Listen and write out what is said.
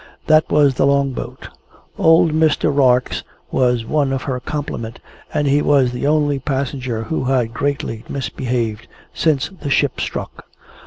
That was the Long boat. Old Mr. Rarx was one of her complement, and he was the only passenger who had greatly misbehaved since the ship struck.